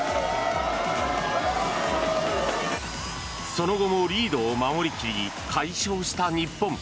その後もリードを守り切り快勝した日本。